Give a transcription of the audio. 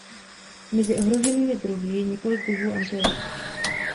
Mezi ohroženými druhy je několik druhů antilop.